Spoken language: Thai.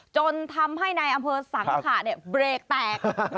จนทำให้นายอำเภอสังค์ค่ะเบรกแตก